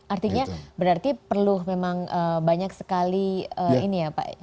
artinya berarti perlu memang banyak sekali ini ya pak